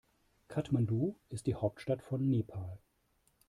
Kathmandu ist die Hauptstadt von Nepal.